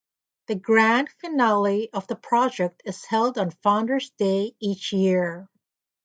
The grand finale of the project is held on Founder’s Day each year.